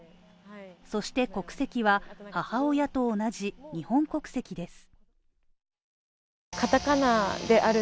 そして国籍は、母親と同じ日本国籍です。